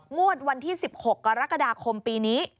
งวดวันที่๑๖กรกฎาคมปีนี้